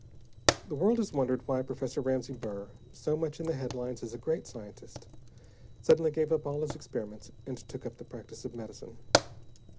The world has wondered why Professor Ramsey Burr, so much in the headlines as a great scientist, suddenly gave up all his experiments and took up the practice of medicine.